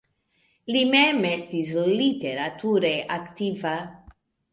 Li mem estis literature aktiva.